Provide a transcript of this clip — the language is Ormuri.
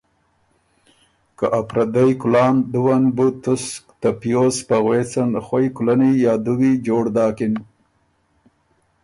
که ا پردئ کلان دُوه ن بُو تُسک ته پیوز په غوېڅن خوئ کلنی یا دُوی جوړ داکِن